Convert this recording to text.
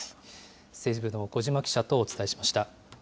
政治部の小嶋記者とお伝えしました。